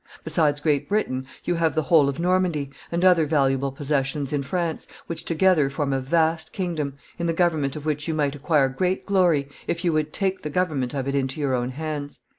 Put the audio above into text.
Besides Great Britain, you have the whole of Normandy, and other valuable possessions in France, which together form a vast kingdom, in the government of which you might acquire great glory, if you would take the government of it into your own hands."